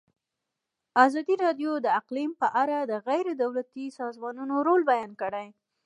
ازادي راډیو د اقلیم په اړه د غیر دولتي سازمانونو رول بیان کړی.